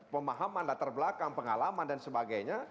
pemahaman latar belakang pengalaman dan sebagainya